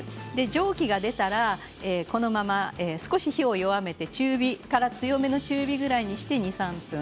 蒸気が出たらこのまま少し火を弱めて中火から強めの中火ぐらいにして２、３分。